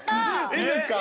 いいんですか？